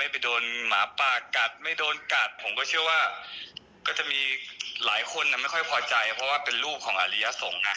เพราะว่าเป็นรูปของอาริยสงฆ์